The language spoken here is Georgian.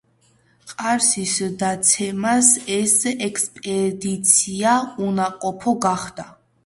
ყარსის დაცემას ეს ექსპედიცია უნაყოფო გახადა.